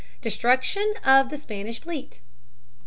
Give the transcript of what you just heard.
Destruction of the Spanish Fleet.